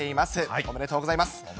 おめでとうございます。